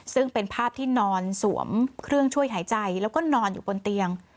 ซึ่งเป็นภาพที่นอนสวมเครื่องช่วยหายใจแล้วก็นอนอยู่บนเตียง